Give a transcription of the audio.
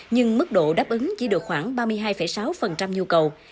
nhưng mức độ đáp ứng chỉ được khoảng ba mươi hai sáu nhu cầu